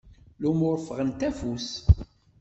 Lumuṛ ffɣent afus.